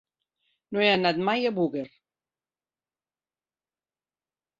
No he anat mai a Búger.